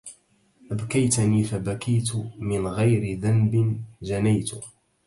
أبكيتني فبكيت من غير ذنب جنيت